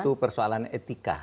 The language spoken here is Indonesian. itu persoalan etika